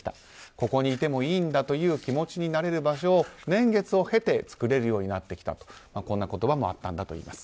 ここにいてもいいんだという気持ちになれる場所を年月を経て作れるようになってきたとこんな言葉もあったんだといいます。